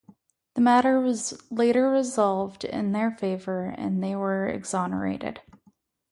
The matter was later resolved in their favour and they were exonerated.